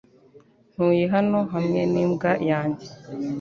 Ntuye hano hamwe n'imbwa yanjye .